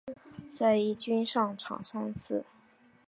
在一军上场三次。